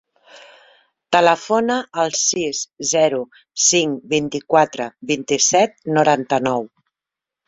Telefona al sis, zero, cinc, vint-i-quatre, vint-i-set, noranta-nou.